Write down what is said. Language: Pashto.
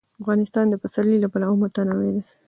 افغانستان د پسرلی له پلوه متنوع دی.